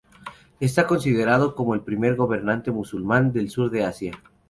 Está considerado como el primer gobernante musulmán del sur de Asia.